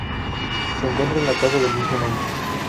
Se encuentra en la plaza del mismo nombre.